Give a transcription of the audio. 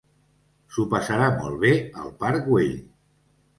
S'ho passarà molt bé al Parc Güell.